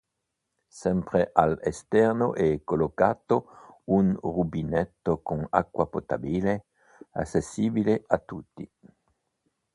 Sempre all'esterno è collocato un rubinetto con acqua potabile accessibile a tutti.